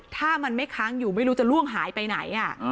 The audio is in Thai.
ถ้ามันไม่ค้างอยู่ไม่รู้จะล่วงหายไปไหน